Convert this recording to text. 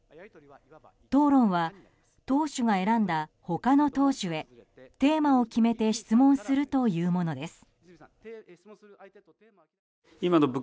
討論は党首が選んだ他の党首へテーマを決めて質問するというものです。